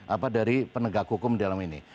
apa dari penegak hukum dalam ini